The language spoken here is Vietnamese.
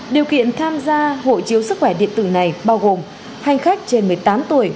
điều kiện tham gia hộ chiếu sức khỏe điện tử này bao gồm hành khách trên một mươi tám tuổi